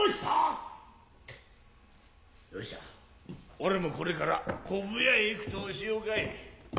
俺も是から昆布屋へ行くとしようかい。